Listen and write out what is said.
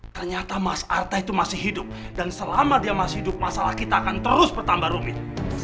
ternyata mas arta itu masih hidup dan selama dia masih hidup masalah kita akan terus bertambah rumit